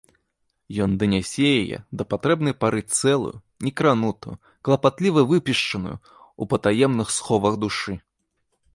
Ён данясе яе да патрэбнай пары цэлую, некранутую, клапатліва выпешчаную ў патаемных сховах душы.